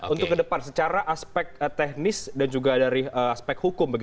untuk ke depan secara aspek teknis dan juga dari aspek hukum